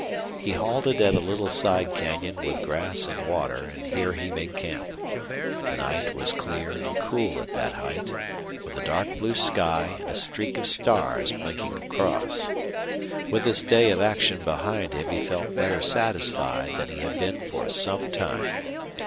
He halted at a little side canyon with grass and water, and here he made camp. The night was clear and cool at that height, with a dark blue sky and a streak of stars blinking across. With this day of action behind him he felt better satisfied than he had been for some time.